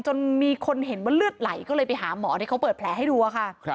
จนมีคนเห็นว่าเลือดไหลก็เลยไปหาหมอที่เขาเปิดแผลให้ดูค่ะ